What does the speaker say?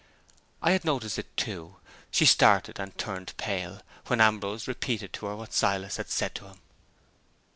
I had noticed it too. She started and turned pale, when Ambrose repeated to her what Silas had said to him.